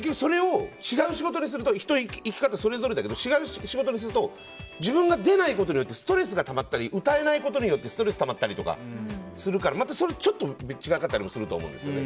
結局、人は生き方それぞれだけど違う仕事にすると自分が出ないことでストレスがたまったり歌えないことによってストレスがたまったりするからまたちょっと違ったりもするんですよね。